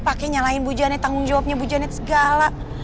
pakeng nyalahin bu janet tanggung jawabnya bu janet segala